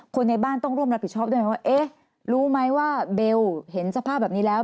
ในบ้านต้องร่วมรับผิดชอบด้วยไหมว่าเอ๊ะรู้ไหมว่าเบลเห็นสภาพแบบนี้แล้ว